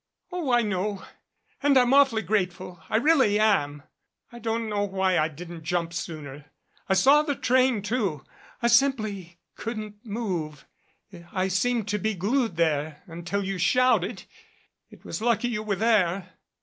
"Oh, I know. And I'm awfully grateful. I really am. I don't know why I didn't jump sooner. I saw the train, too. I simply couldn't move. I seemed to be glued there until you shouted. It was lucky you were there."